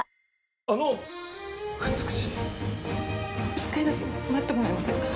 一回だけ待ってもらえませんか？